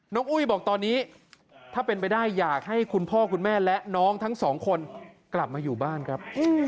อุ้ยบอกตอนนี้ถ้าเป็นไปได้อยากให้คุณพ่อคุณแม่และน้องทั้งสองคนกลับมาอยู่บ้านครับ